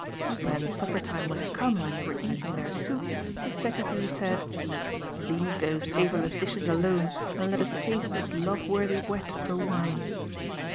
When supper time was come and they were eating their soup, the secretary said "Leave those savourless dishes alone, and let us taste this loveworthy whet for wine."